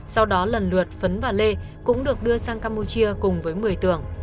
sau đó lần lượt phấn và lê cũng được đưa sang campuchia cùng với mười tường